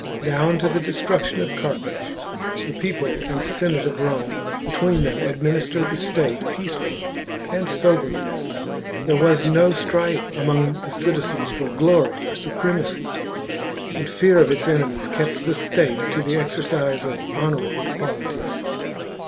Down to the destruction of Carthage, the people and Senate of Rome between them admin istered the state peacefully and soberly ; there was no strife among the citizens for glory or supremacy, and fear of its enemies kept the state to the^xercise of honourable qualities.